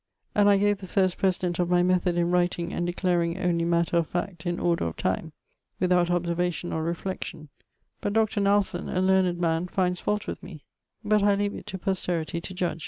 And I gave the first president of my method in writing and declaring onely matter of fact in order of time, without observation or reflection: but Dr. Nalson, a learned man, finds fault with me, but I leave it to posterity to judg.